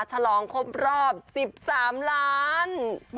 ฉลองครบรอบ๑๓ล้าน